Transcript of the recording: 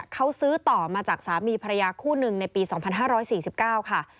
เขาซื้อต่อมาจากสามีภรรยาคู่หนึ่งในปี๒๕๔๙ค่ะ